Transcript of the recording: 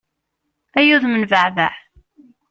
Ay udem n baɛbaɛ!